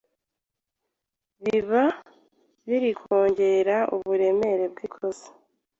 biba biri kongera uburemere bw’ikosa